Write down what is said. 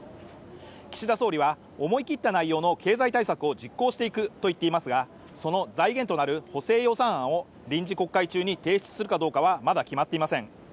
岸田総理は思い切った内容の経済対策を実行していくと言っていますがその財源となる補正予算案を臨時国会中に提出するかどうかはまだ決まっていません